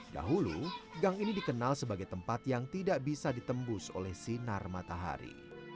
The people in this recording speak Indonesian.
dahulu gang ini dikenal sebagai tempat yang tidak bisa ditembus oleh sinar matahari